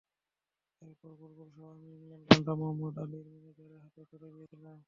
এরপর বুলবুলসহ আমি ইংল্যান্ডে গানটা মোহাম্মদ আলীর ম্যানেজারের হাতে তুলে দিয়েছিলাম।